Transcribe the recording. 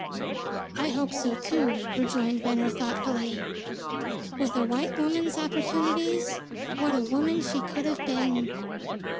"I hope so, too," rejoined Venner thoughtfully. "With a white woman's opportunities, what a woman she could have been."